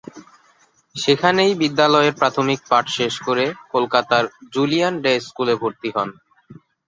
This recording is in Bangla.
সেখানেই বিদ্যালয়ের প্রাথমিক পাঠ শেষ করে কলকাতার জুলিয়ান ডে স্কুলে ভর্তি হন।